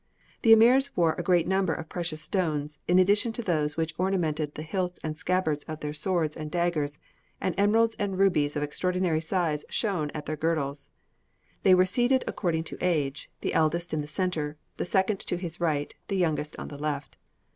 "The emirs wore a great number of precious stones, in addition to those which ornamented the hilts and scabbards of their swords and daggers, and emeralds and rubies of extraordinary size shone at their girdles. They were seated according to age, the eldest in the centre, the second to his right, the youngest on the left.